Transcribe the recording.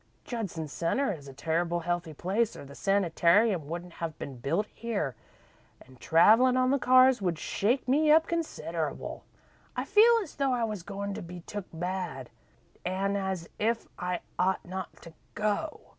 Judson Centre is a terrible healthy place, or the sanitarium wouldn't have been built here, an' travellin' on the cars would shake me up considerable. I feel as though I was goin' to be took bad, an' as if I ought not to go.